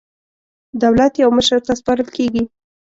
دولت یو مشر ته سپارل کېږي.